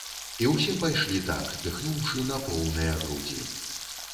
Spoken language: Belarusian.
І ўсе пайшлі так, дыхнуўшы на поўныя грудзі.